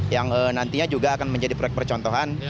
yang nantinya juga akan menjadi proyek percontohan